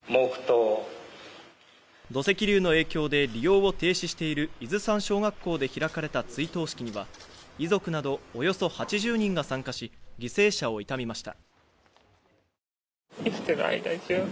土石流の影響で利用を停止している伊豆山小学校で開かれた追悼式には遺族などおよそ８０人が参加し犠牲者を悼みました。